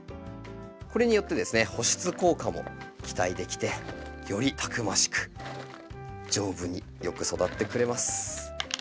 これによって保湿効果も期待できてよりたくましく丈夫によく育ってくれます。